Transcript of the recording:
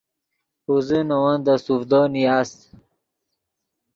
پوزے نے ون دے سوڤدو نیاست